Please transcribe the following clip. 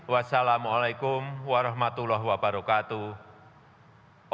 wassalamu alaikum warahmatullahi wabarakatuh